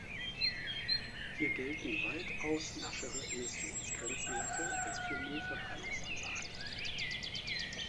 Hier gelten weitaus laschere Emissionsgrenzwerte als für Müllverbrennungsanlagen.